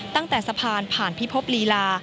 ตั้งแต่สะพานผ่านพิภพลีลา